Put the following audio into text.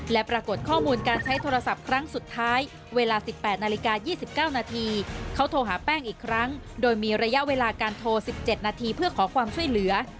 และปรากฏข้อมูลการใช้โทรศัพท์ครั้งสุดท้ายเวลา๑๘นาฬิกา๒๙นาทีเขาโทรหาแป้งอีกครั้งโดยมีระยะเวลาการโทร๑๗นาทีเพื่อขอความช่วยเหลือ